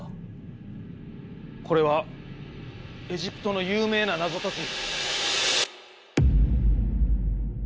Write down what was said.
これはエジプトの有名な謎解き。